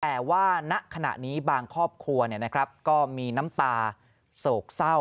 แต่ว่าณขณะนี้บางครอบครัวก็มีน้ำตาโศกเศร้า